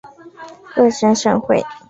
各省省会。